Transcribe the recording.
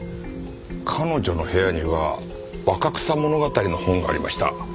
彼女の部屋には『若草物語』の本がありました。